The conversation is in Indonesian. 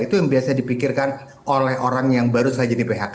itu yang biasanya dipikirkan oleh orang yang baru saja di phk